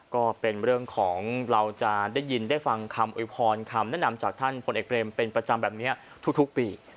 ก็เป็นเรื่องของเราจะได้ยินได้ฟังคำโวยพรคำแนะนำจากท่านพลเอกเบรมเป็นประจำแบบนี้ทุกปี